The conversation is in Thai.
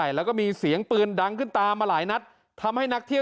แล้วก็มีเสียงปืนดังขึ้นตามมาหลายนัดทำให้นักเที่ยว